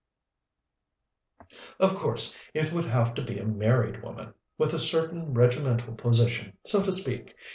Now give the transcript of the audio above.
Of course, it would have to be a married woman, with a certain regimental position, so to speak.